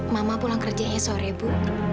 mama pulang kerjanya sore bu